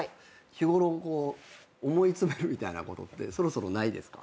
日ごろ思い詰めるみたいなことってそろそろないですか？